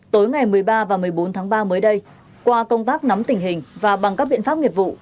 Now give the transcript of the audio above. tối ngày một mươi ba và một mươi bốn tháng ba mới đây qua công tác nắm tình hình và bằng các biện pháp nghiệp vụ